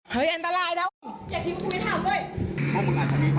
แปลว่าสอบนี้มันอ้าว